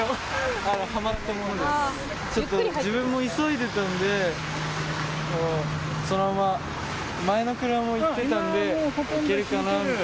自分も急いでたのでそのまま前の車も行ってたので行けるかなと。